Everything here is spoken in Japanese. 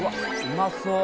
うまそう。